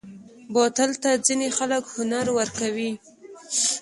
بوتل ته ځینې خلک هنر ورکوي.